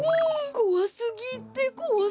こわすぎでごわす。